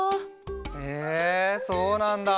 へえそうなんだ。